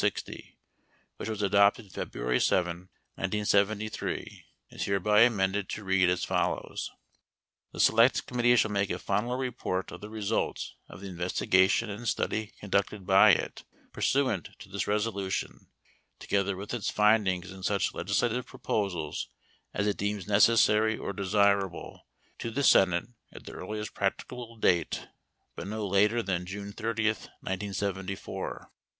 60, which was 2 adopted February 7, 1973, is hereby amended to read as 3 follows: "The select committee shall make a final report of 4 the results of the investigation and study conducted by it 5 pursuant to this resolution, together with its findings and isuch 6 legislative proposals as it deems necessary or desirable, to 7 the Senate at the earliest practicable date, but no later than 8 June 80, 1974.